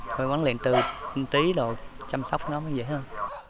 phải quấn luyện từ tí rồi chăm sóc nó mới dễ hơn